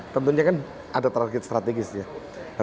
tentunya kan ada target strategisnya